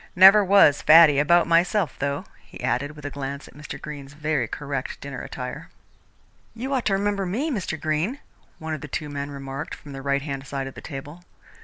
Never was faddy about myself, though," he added, with a glance at Mr. Greene's very correct dinner attire. "You ought to remember me, Mr. Greene," one of the two men remarked from the right hand side of the table.